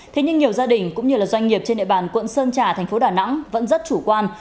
thế nhưng nhiều gia đình cũng như doanh nghiệp trên địa bàn quận sơn trà thành phố đà nẵng vẫn rất chủ quan